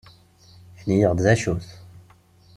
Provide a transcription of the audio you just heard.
Ini-aneɣ-d d acu-t.